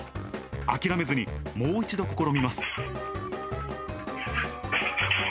諦めずにもう一度試みます。